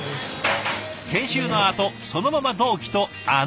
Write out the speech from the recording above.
研修のあとそのまま同期とあの